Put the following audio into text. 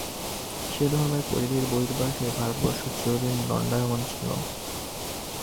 সে ধর্মের পরিধির বহির্ভাগেই ভারতবর্ষ চিরদিন দণ্ডায়মান ছিল।